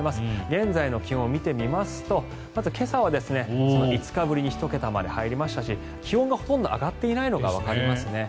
現在の気温を見てみますとまず今朝は５日ぶりに１桁まで冷え込みましたし気温がほとんど上がっていません。